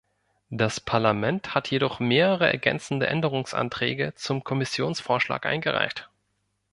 Das Parlament hat jedoch mehrere ergänzende Änderungsanträge zum Kommissionsvorschlag eingereicht.